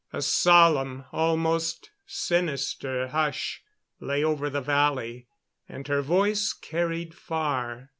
A solemn, almost sinister hush lay over the valley, and her voice carried far.